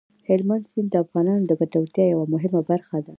هلمند سیند د افغانانو د ګټورتیا یوه مهمه برخه ده.